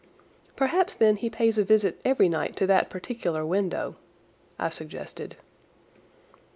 "Perhaps then he pays a visit every night to that particular window," I suggested.